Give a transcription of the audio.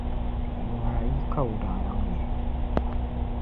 Yumaayi ka o daa niŋ ni.